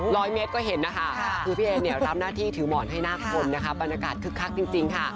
ร้อยเมตรก็เห็นนะคะคือพี่เอ็นเนี่ยรับหน้าที่ถือหมอนให้หน้าคนนะคะบรรยากาศคึกคักจริงค่ะ